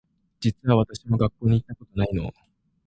実は私も学校行ったことないの